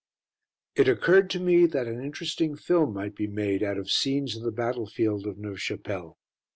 It occurred to me that an interesting film might be made out of scenes of the battlefield of Neuve Chapelle.